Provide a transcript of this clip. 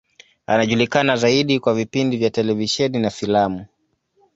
Anajulikana zaidi kwa vipindi vya televisheni na filamu.